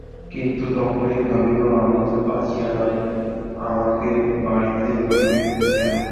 কিন্তু তখনই ভাবিল, আমি তো বাঁচিয়া নাই, আমাকে বাড়িতে লইবে কেন।